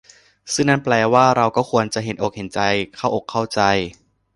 ซึ่งนั่นแปลว่า เราก็ควรจะ เห็นอกเห็นใจ เข้าอกเข้าใจ